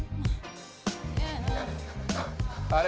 あれ？